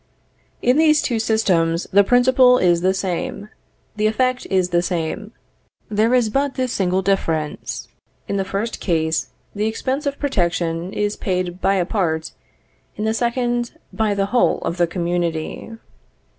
In these two systems the principle is the same; the effect is the same. There is but this single difference; in the first case the expense of protection is paid by a part, in the second by the whole of the community.